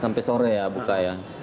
sampai sore ya buka ya